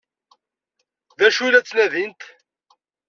D acu ay la ttnadint?